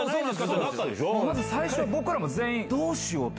最初僕らも全員。